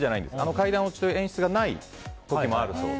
階段落ちという演出がない時もあるので。